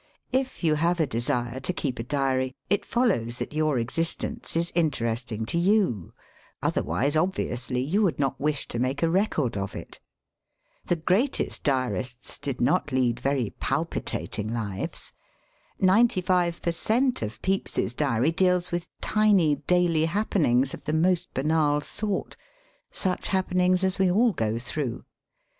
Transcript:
It you have a desire to keep a diary, it follows that your existence is interesting to you. Otherwise obviously you would not wish to make a record of it. The greatest diarists did not lead very palpitating lives. Ninety five per cent, of Pepifs'i Diary deals with tiny daily hap THE DIARY HABIT *6 penings of the most banal sort — such happenings as we all go through.